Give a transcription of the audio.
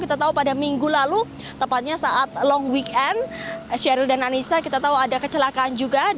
kita tahu pada minggu lalu tepatnya saat long weekend sheryl dan anissa kita tahu ada kecelakaan juga